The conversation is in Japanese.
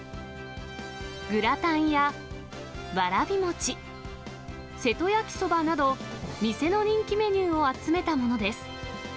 グラタンやわらび餅、瀬戸焼きそばなど、店の人気メニューを集めたものです。